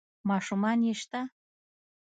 ـ ماشومان يې شته؟